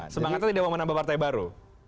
semangatnya tidak mau menambah partai baru